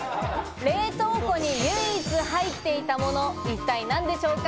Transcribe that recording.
冷凍庫に唯一入っていたもの、一体何でしょうか？